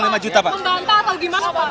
memb summer atau gimana pak